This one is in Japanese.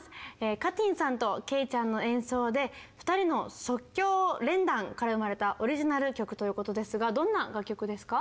かてぃんさんとけいちゃんの演奏で２人の即興連弾から生まれたオリジナル曲ということですがどんな楽曲ですか？